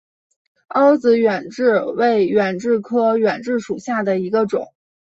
凹籽远志为远志科远志属下的一个种。